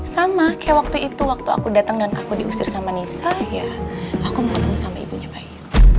sama kayak waktu itu waktu aku datang dan aku diusir sama nisa ya aku mau ketemu sama ibunya bayi